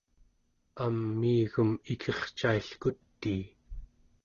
amiigem ikircailkutii